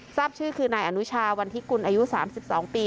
ทราบชื่อคือนายอนุชาวันที่กุลอายุ๓๒ปี